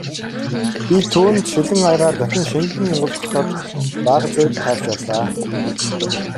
Би түүнд шилэн аягаар дахин шингэн уулгахад бага зэрэг тайвширлаа.